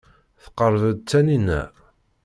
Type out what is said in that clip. Tqerreb-d Taninna.